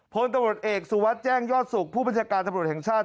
พลตำรวจเอกสุวัสดิ์แจ้งยอดสุขผู้บัญชาการตำรวจแห่งชาติ